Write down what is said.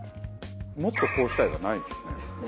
「もっとこうしたい」がないですよね。